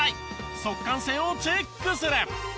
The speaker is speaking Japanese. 速乾性をチェックする。